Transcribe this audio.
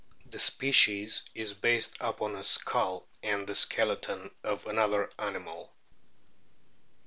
The species is based upon a skull and the skeleton of another animal.